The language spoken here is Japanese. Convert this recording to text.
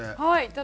はい。